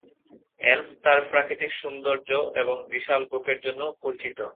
Elf তার প্রাকৃতিক সৌন্দর্য এবং বিশাল বুকের জন্য পরিচিত।